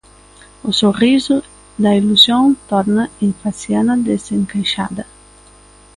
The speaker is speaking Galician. O sorriso da ilusión torna en faciana desencaixada.